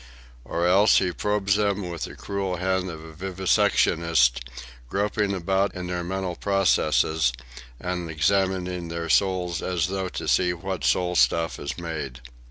Or else he probes them with the cruel hand of a vivisectionist, groping about in their mental processes and examining their souls as though to see of what soul stuff is made.